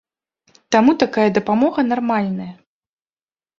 Таму такая дапамога нармальная.